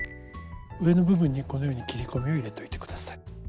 上の部分にこのように切り込みを入れといて下さい。